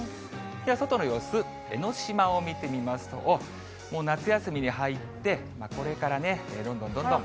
では外の様子、江の島を見てみますと、おっ、もう夏休みに入って、これからね、どんどんどんどん。